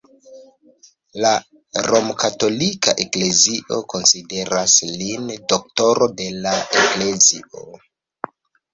La Romkatolika Eklezio konsideras lin Doktoro de la Eklezio.